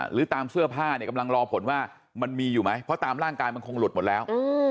หรือตามเสื้อผ้าเนี่ยกำลังรอผลว่ามันมีอยู่ไหมเพราะตามร่างกายมันคงหลุดหมดแล้ว